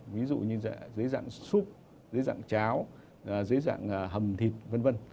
ví dụ như dưới dạng xúc dưới dạng cháo dưới dạng hầm thịt v v